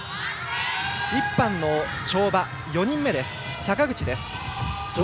１班の跳馬、４人目坂口です。